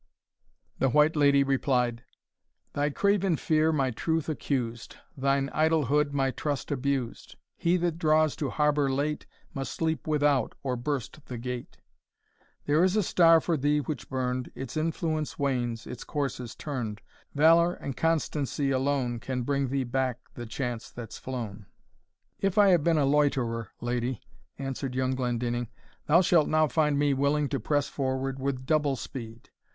The White Lady replied: "Thy craven fear my truth accused, Thine idlehood my trust abused; He that draws to harbour late, Must sleep without, or burst the gate. There is a star for thee which burn'd. Its influence wanes, its course is turn'd; Valour and constancy alone Can bring thee back the chance that's flown." "If I have been a loiterer, Lady," answered young Glendinning, "thou shalt now find me willing to press forward with double speed.